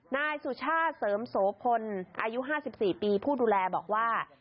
นายสุชาติเสริมโสพลอายุ๕๔ปีผู้ดูแลบอกว่า